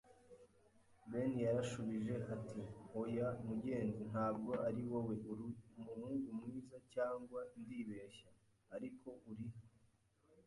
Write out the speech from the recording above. Ben yarashubije ati: “Oya, mugenzi, ntabwo ari wowe. Uri umuhungu mwiza, cyangwa ndibeshya; ariko uri